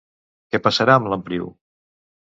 Què passarà amb l'empriu?